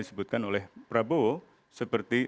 disebutkan oleh prabowo seperti